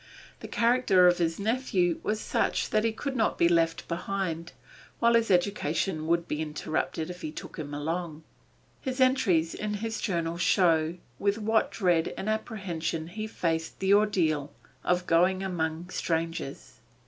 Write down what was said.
The character of his nephew was such that he could not be left behind, while his education would be interrupted if he took him along. His entries in his journal show with what dread and apprehension he faced the ordeal of going among strangers.